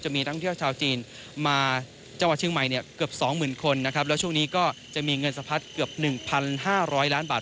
มีนักท่องเที่ยวชาวจีนมาจังหวัดเชียงใหม่เนี่ยเกือบสองหมื่นคนนะครับแล้วช่วงนี้ก็จะมีเงินสะพัดเกือบ๑๕๐๐ล้านบาท